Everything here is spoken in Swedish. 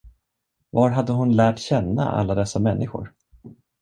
Var hade hon lärt känna alla dessa människor?